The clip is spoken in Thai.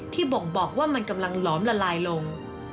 บ่งบอกว่ามันกำลังหลอมละลายลง